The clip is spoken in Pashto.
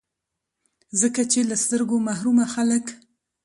ځکه چي له سترګو محرومه خلګ